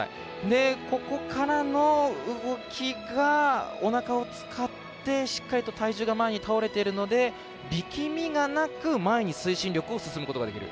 ここからの動きがおなかを使って、しっかりと体重が前に倒れているので力みがなく、前に推進力を進めることができる。